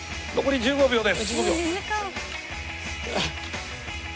１５秒！